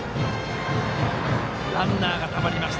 ランナーがたまりました。